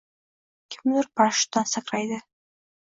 Kimdir parashutdan sakraydi